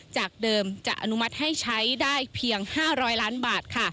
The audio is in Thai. จากเดิมจะอนุมัติให้ใช้ได้เพียง๕๐๐ล้านบาทค่ะ